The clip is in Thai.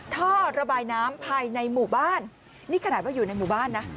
ท่อระบายน้ำภายในหมู่บ้านนี่ขนาดว่าอยู่ในหมู่บ้านนะ